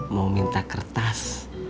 mau minta kertas